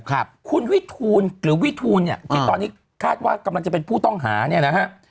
ครับคุณวิทูลหรือวิทูลเนี่ยที่ตอนนี้คาดว่ากำลังจะเป็นผู้ต้องหาเนี่ยนะฮะ